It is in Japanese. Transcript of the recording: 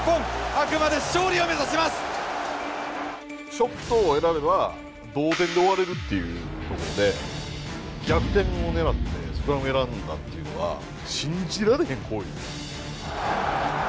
ショットを選べば同点で終われるっていうところで逆転を狙ってスクラムを選んだっていうのは信じられへん行為。